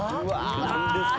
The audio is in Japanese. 何ですか？